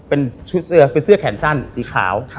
เป็นเสื้อแขนสั้นสีขาว